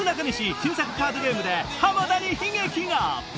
新作カードゲームで浜田に悲劇が！